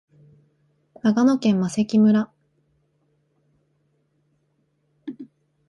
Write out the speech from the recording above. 長野県麻績村